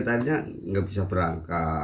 ternyata nggak bisa berangkat